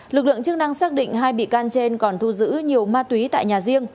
lực lượng chức năng xác định hai bị can trên còn thu giữ nhiều ma túy tại nhà riêng